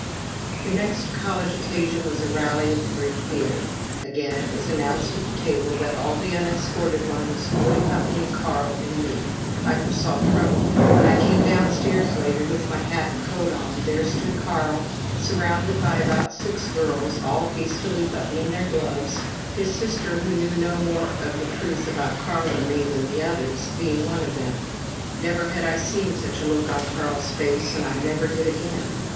The next college occasion was a rally at the Greek Theatre. Again it was announced at the table that all the unescorted ones would accompany Carl and me. I foresaw trouble. When I came downstairs later, with my hat and coat on, there stood Carl, surrounded by about six girls, all hastily buttoning their gloves, his sister, who knew no more of the truth about Carl and me than the others, being one of them. Never had I seen such a look on Carl's face, and I never did again.